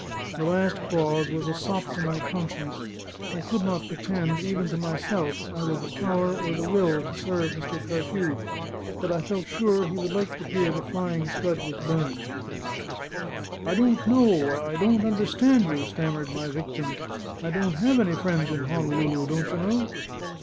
The last clause was a sop to my conscience: I could not pretend, even to myself, either the power or the will to serve Mr. Carthew; but I felt sure he would like to hear the Flying Scud was burned. "I don't know I I don't understand you," stammered my victim. "I don't have any friends in Honolulu, don't you know?"